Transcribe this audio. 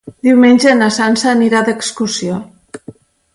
Diumenge na Sança anirà d'excursió.